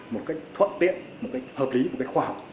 một cách thuận tiện một cách hợp lý một cách khoa học